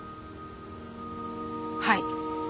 はい。